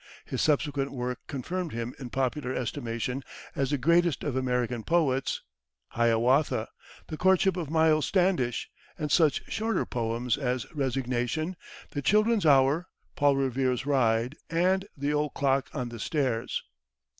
His subsequent work confirmed him in popular estimation as the greatest of American poets "Hiawatha," "The Courtship of Miles Standish," and such shorter poems as "Resignation," "The Children's Hour," "Paul Revere's Ride," and "The Old Clock on the Stairs."